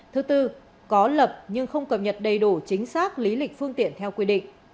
thứ tư có lập nhưng không cập nhật đầy đủ chính xác lý lịch phương tiện theo quy định